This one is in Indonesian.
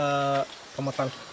pengembangan kelembagaan sudah selesai